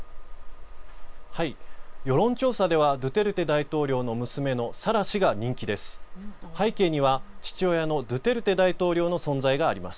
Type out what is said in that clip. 世論調査ではドゥテルテ大統領の娘のサラ氏が人気です。